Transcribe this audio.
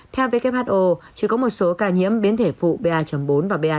theo who chỉ có một số ca nhiễm biến thể phụ ba bốn và ba năm được thông báo